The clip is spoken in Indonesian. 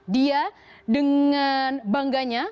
dia dengan bangganya